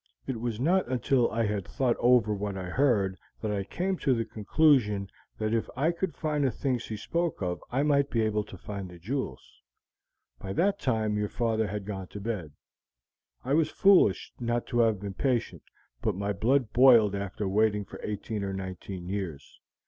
It was not until I had thought over what I heard that I came to the conclusion that if I could find the things he spoke of I might be able to find the jewels. By that time your father had gone to bed. I was foolish not to have been patient, but my blood boiled after waiting for eighteen or nineteen years.